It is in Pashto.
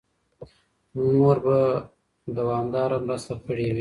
مور به دوامداره مرسته کړې وي.